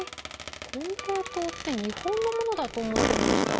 金平糖って日本のものだと思ってました。